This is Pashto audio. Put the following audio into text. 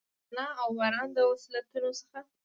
د رڼا اوباران، د وصلتونو څخه،